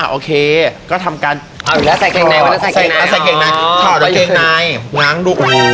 โอเคก็ทำการ